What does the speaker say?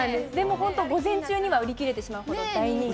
本当に午前中には売り切れてしまうほど大人気。